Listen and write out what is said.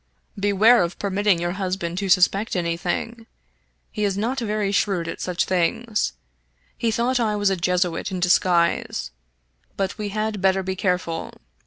Beware of per mitting your husband to suspect anything. He is not very, shrewd at such things — he thought I was a Jesuit in dis guise — ^but we had better be careful.